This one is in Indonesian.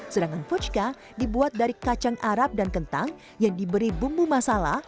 sedangkan puchka dibuat dari kacang arab dan kentang yang diberi bumbu masala